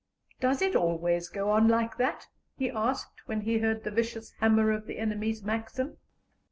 "Does it always go on like that?" he asked, when he heard the vicious hammer of the enemy's Maxim.